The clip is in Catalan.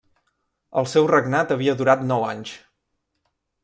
El seu regnat havia durat nou anys.